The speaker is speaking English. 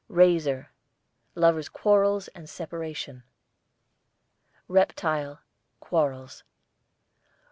RAZOR, lovers' quarrels and separation. REPTILE, quarrels.